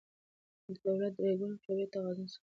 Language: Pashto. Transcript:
د دولت درې ګونې قوې توازن ساتي